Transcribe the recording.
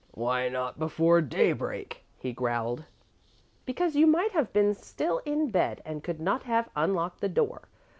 "Why not before daybreak?" he growled. "Because you might have been still in bed and could not have unlocked the door.